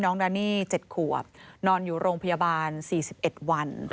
ดานี่๗ขวบนอนอยู่โรงพยาบาล๔๑วัน